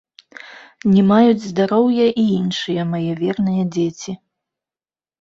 Не маюць здароўя і іншыя мае верныя дзеці.